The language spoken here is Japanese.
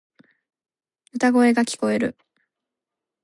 歌声が聞こえる。